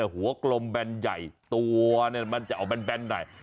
หัวกลมแบนใหญ่ตัวเนี่ยมันจะเอาแบนหน่อย